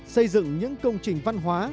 xây dựng những công trình văn hóa